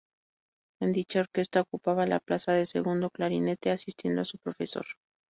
En dicha orquesta ocupaba la plaza de segundo clarinete asistiendo a su profesor.